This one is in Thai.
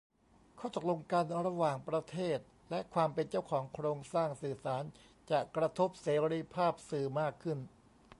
ข้อตกลงการระหว่างประเทศ และความเป็นเจ้าของโครงสร้างสื่อสาร จะกระทบเสรีภาพสื่อมากขึ้น